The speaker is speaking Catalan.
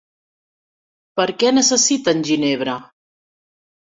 Per què necessiten ginebra?